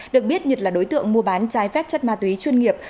được biết nhật là đối tượng mua bán trái phép chất ma túy chuyên nghiệp